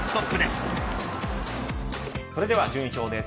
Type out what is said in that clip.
それでは順位表です。